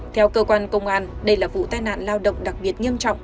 theo cơ quan công an đây là vụ tai nạn lao động đặc biệt nghiêm trọng